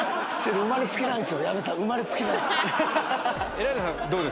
生まれつきなんです。